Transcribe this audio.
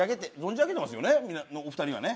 お二人はね。